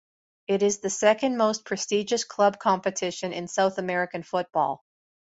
It is the second-most prestigious club competition in South American football.